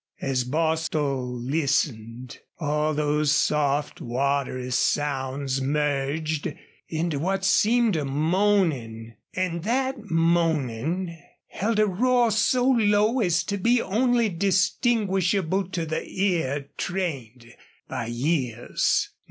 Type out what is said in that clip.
As Bostil listened all those soft, watery sounds merged into what seemed a moaning, and that moaning held a roar so low as to be only distinguishable to the ear trained by years.